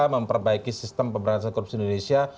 memperbaiki sistem pemberantasan korupsi indonesia